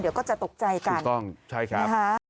เดี๋ยวก็จะตกใจกันถูกต้องใช่ครับ